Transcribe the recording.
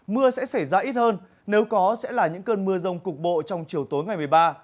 mưa sẽ xảy ra ít hơn nếu có sẽ là những cơn mưa rông cục bộ trong chiều tối ngày một mươi ba